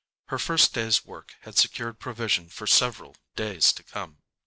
Her first day's work had secured provision for several days to come.